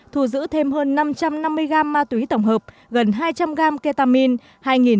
thu giữ thêm hơn năm trăm năm mươi g ma túy tổng hợp gần hai trăm linh g ketamine